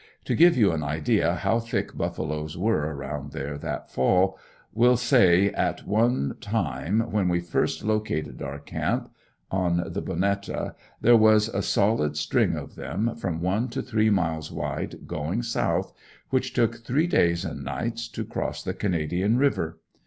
To give you an idea how thick buffaloes were around there that fall will say, at one time when we first located our camp on the Bonetta, there was a solid string of them, from one to three miles wide, going south, which took three days and nights to cross the Canadian river.